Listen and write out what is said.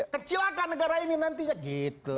kecil akan negara ini nantinya gitu loh